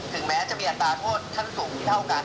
ถึงแม้จะมีอัตราโทษทั้งสูงที่เท่ากัน